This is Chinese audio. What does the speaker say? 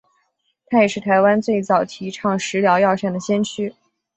他也是台湾最早提倡食疗药膳的先驱。